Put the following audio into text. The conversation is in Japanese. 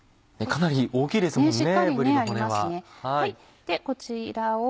かなり大きいですもんねぶりの骨は。